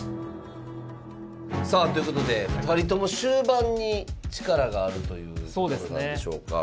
さあということで２人とも終盤に力があるというところなんでしょうか。